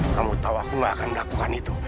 kamu tahu aku gak akan melakukan itu